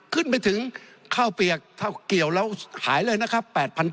ขึ้นไปถึงข้าวเปลือกเกี่ยวแล้วหายเลยนะครับ๘๗๐๐